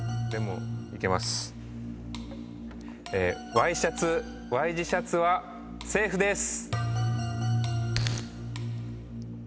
ＹシャツＹ字シャツはセーフです。